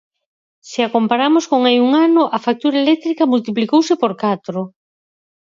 Se a comparamos con hai un ano, a factura eléctrica multiplicouse por catro.